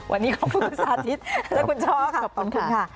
วันนี้ขอบคุณคุณสาธิตและคุณช่อขอบคุณค่ะ